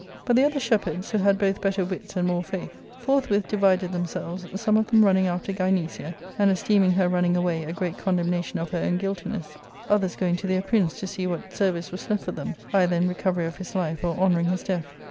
But the other shepherds, who had both better wits and more faith, forthwith divided themselves, some of them run ning after Gynecia, and esteeming her running away a great condemnation of her own guiltiness ; others going to their prince to see what service was left for them, either in re covery of his life or honouring his death.